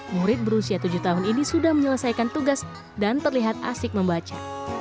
murid berusia tujuh tahun ini sudah menyelesaikan tugas dan terlihat asik membaca